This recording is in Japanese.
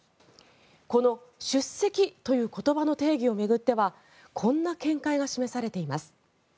この出席という言葉の定義を巡ってはこんな見解が示されています。